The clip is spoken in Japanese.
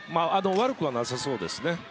悪くはなさそうですね。